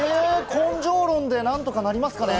根性論で何とかなりますかね？